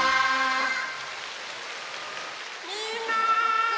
みんな。